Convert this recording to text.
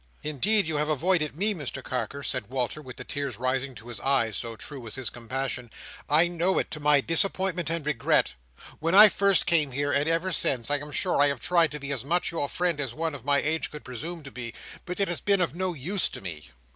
"Indeed, you have avoided me, Mr Carker," said Walter, with the tears rising to his eyes; so true was his compassion. "I know it, to my disappointment and regret. When I first came here, and ever since, I am sure I have tried to be as much your friend, as one of my age could presume to be; but it has been of no use.